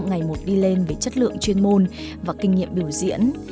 ngày một đi lên về chất lượng chuyên môn và kinh nghiệm biểu diễn